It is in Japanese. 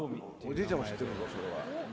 おじいちゃんも知ってるぞそれは。